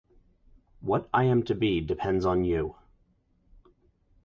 What I am to be depends on you.